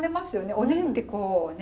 おでんってこうね。